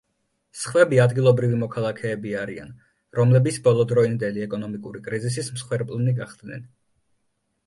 სხვები ადგილობრივი მოქალაქეები არიან, რომლების ბოლოდროინდელი ეკონომიკური კრიზისის მსხვერპლნი გახდნენ.